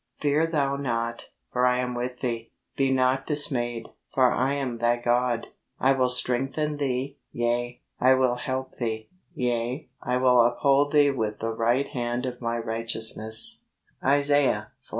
' Fear thou not, for I am with thee : be not dismayed, for I am thy God ; I will strengthen thee ; yea, I will help thee ; yea, I will uphold thee with the right hand of my righteousness' (Isaiah xli.